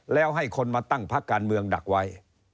แล้วให้คนมาตั้งพักการเมืองดักไว้